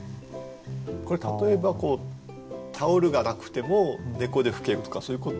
これ例えばタオルがなくても猫で拭けるとかそういうこと。